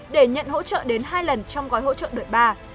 để nhận hỗ trợ đến hai lần trong gói hỗ trợ đợt ba